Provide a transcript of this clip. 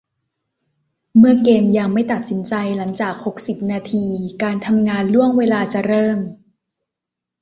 เมื่อเกมยังไม่ตัดสินใจหลังจากหกสิบนาทีการทำงานล่วงเวลาจะเริ่ม